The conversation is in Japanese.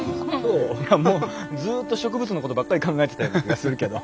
もうずっと植物のことばっかり考えてたような気がするけど。